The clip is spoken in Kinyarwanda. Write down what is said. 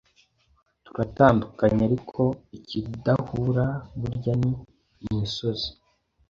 Turatandukanye ariko ikidahura burya ni imisozi,